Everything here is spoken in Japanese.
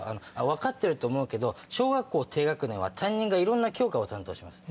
分かってると思うけど小学校低学年は担任がいろんな教科を担当します。